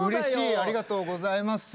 ありがとうございます。